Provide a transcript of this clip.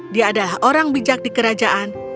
dia adalah orang bijak di kerajaan